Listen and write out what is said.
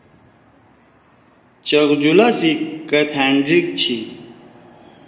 چغجُولا سی کتھان ڙیک چھی۔